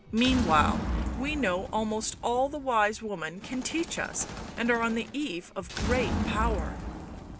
" Meanwhile — we know almost all the wise woman can teach us, and are on the eve of great power.